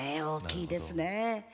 大きいですね。